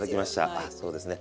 はいそうですね。